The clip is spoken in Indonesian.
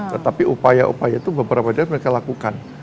tetapi upaya upaya itu beberapa daerah mereka lakukan